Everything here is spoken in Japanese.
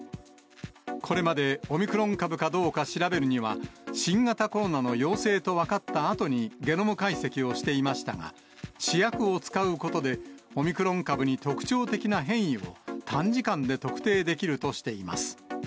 これまで、オミクロン株かどうか調べるには、新型コロナの陽性と分かったあとにゲノム解析をしていましたが、試薬を使うことで、オミクロン株に特徴的な変異を、短時間で特定できるとしています。